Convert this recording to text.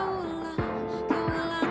mana yang disalah yang nyata